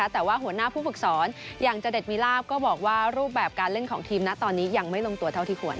แต่ว่าหัวหน้าผู้ฝึกสอนอย่างเจเด็ดมีลาบก็บอกว่ารูปแบบการเล่นของทีมนะตอนนี้ยังไม่ลงตัวเท่าที่ควร